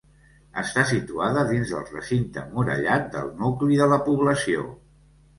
Està situada dins del recinte emmurallat del nucli de la població.